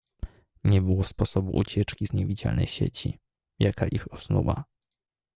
"Nie było sposobu ucieczki z niewidzialnej sieci, jaka ich osnuła."